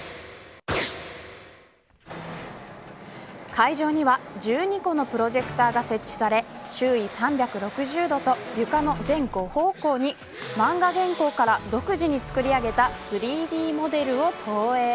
会場には１２個のプロジェクターが設置され周囲３６０度と床の、全５方向に漫画原稿から独自に作り上げた３Ｄモデルを投影。